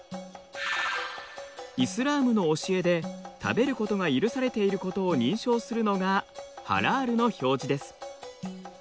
イスラームの教えで食べることが許されていることを認証するのがハラールの表示です。